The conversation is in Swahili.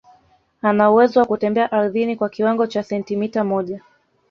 anauwezo wa kutembea ardhini kwa kiwango cha sentimita moja